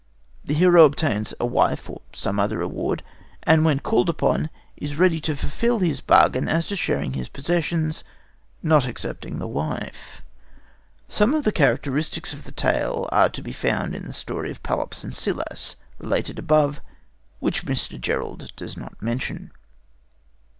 The hero obtains a wife (or some other reward), and, when called upon, is ready to fulfil his bargain as to sharing his possessions," not excepting the wife. Some of the characteristics of the tale are to be found in the story of Pelops and Cillas, related above, which Mr. Gerould does not mention.